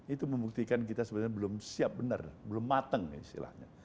itu membuktikan kita sebenarnya belum siap benar belum mateng istilahnya